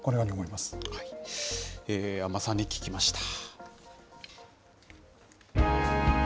ま安間さんに聞きました。